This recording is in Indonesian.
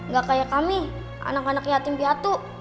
gak kayak kami anak anak yatim piatu